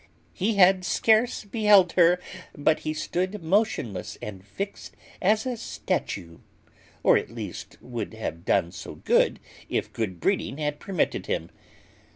He had scarce beheld her, but he stood motionless and fixed as a statue, or at least would have done so if good breeding had permitted him.